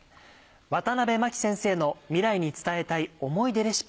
ワタナベマキ先生の「未来に伝えたい思い出レシピ」。